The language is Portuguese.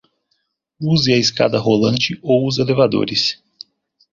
Use a escada rolante ou os elevadores